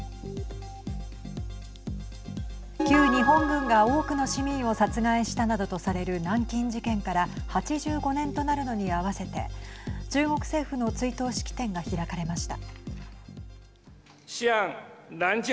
旧日本軍が多くの市民を殺害したなどとされる南京事件から８５年となるのにあわせて中国政府の追悼式典が開かれました。